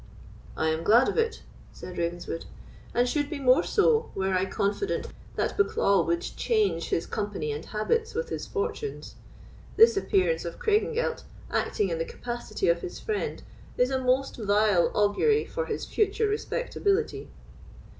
"I am glad of it," said Ravenswood, "and should be more so, were I confident that Bucklaw would change his company and habits with his fortunes. This appearance of Craigengelt, acting in the capacity of his friend, is a most vile augury for his future respectability."